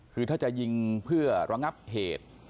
คือถ้าจะยิงเพื่อระงับเหตุ